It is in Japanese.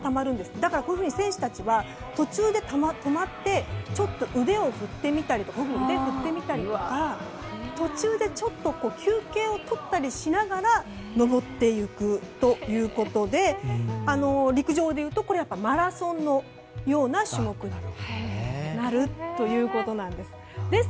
だから選手たちは途中で止まってちょっと腕を振ってみたりとか途中でちょっと休憩を取ったりしながら登っていくということで陸上でいうと、マラソンのような種目になるということです。